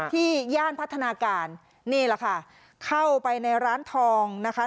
ย่านพัฒนาการนี่แหละค่ะเข้าไปในร้านทองนะคะ